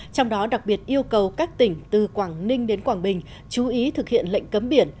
trong đó đặc biệt yêu cầu các tỉnh từ quảng ninh đến quảng bình chú ý thực hiện lệnh cấm biển